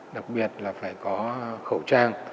đặc biệt là phải có khẩu trang